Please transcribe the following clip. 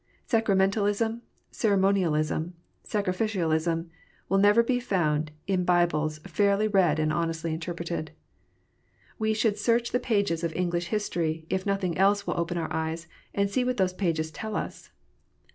Sacramentalism, Ceremonialism, Sacrificialism, will never be found in Bibles fairly read and honestly interpreted. We should search the pages of English history, if nothing else will open our eyes, and see what those pages tell us.